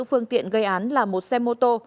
phương tiện gây án là một xe mô tô